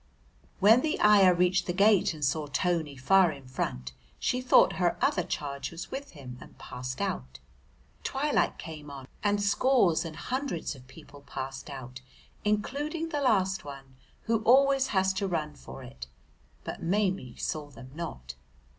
When the ayah reached the gate and saw Tony far in front she thought her other charge was with him and passed out. Twilight came on, and scores and hundreds of people passed out, including the last one, who always has to run for it, but Maimie saw them not.